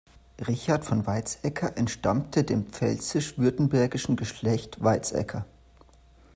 Richard von Weizsäcker entstammte dem pfälzisch-württembergischen Geschlecht Weizsäcker.